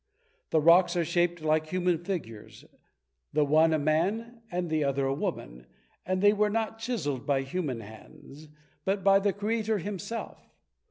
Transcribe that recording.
The rocks are shaped like human figures, the one a man and the other a woman, and they were not chiseled by human hands, but by the Creator Himself.